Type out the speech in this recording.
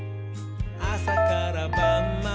あさからばんまで」